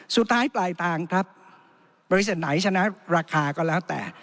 สุดท้ายปลายทางครับบริษัทไหนชนะราคาก็แล้วแต่